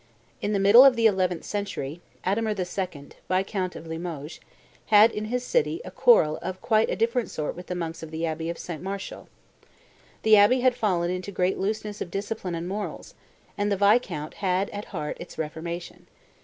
In the middle of the eleventh century, Adhemar II., viscount of Limoges, had in his city a quarrel of quite a different sort with the monks of the abbey of St. Martial. The abbey had fallen into great looseness of discipline and morals; and the viscount had at heart its reformation.